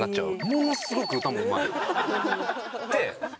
ものすごく歌もうまい。